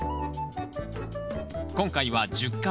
今回は１０株。